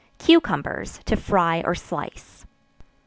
Cucumbers, to Fry or Slice.